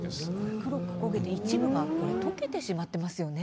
黒く焦げて一部が溶けてしまっていますよね。